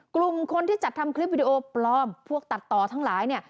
กลุ่มคนที่จัดทำคลิปวิดีโอปลอมพวกตัดต่อทั้งหลายเนี่ย